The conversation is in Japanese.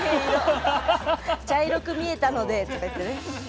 「茶色く見えたので」とか言ってね。